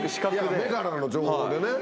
目からの情報でね。